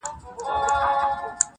سمدستي د خپل کهاله پر لور روان سو-